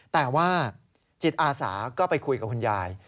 แต่ว่าจิตอาสาก็ไปคุยกับคุณยาย